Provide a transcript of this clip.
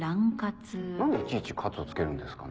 何でいちいち「活」をつけるんですかね。